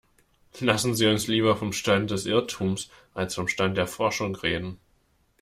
Lassen Sie uns lieber vom Stand des Irrtums als vom Stand der Forschung reden.